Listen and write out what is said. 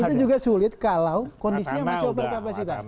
itu juga sulit kalau kondisinya masih overkapasitas